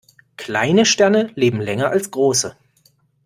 Kleine Sterne leben länger als große.